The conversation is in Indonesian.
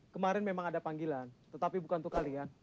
kemarin memang ada panggilan tetapi bukan untuk kalian